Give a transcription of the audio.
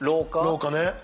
廊下ね。